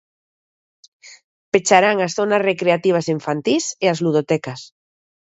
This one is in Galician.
Pecharán as zonas recreativas infantís e as ludotecas.